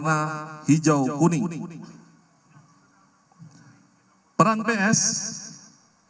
dan segera menemukan perang p pascal